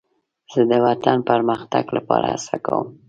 زه د وطن د پرمختګ لپاره هڅه کوم.